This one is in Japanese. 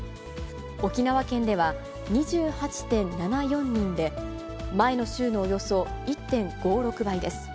沖縄県では２８．７４人で、前の週のおよそ１．５６倍です。